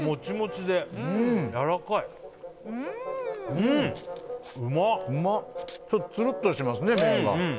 ちょっとつるっとしてますね麺が。